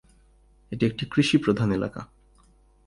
এটি একটি কৃষিপ্রধান এলাকা।